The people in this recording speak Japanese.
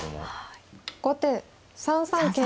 後手３三桂馬。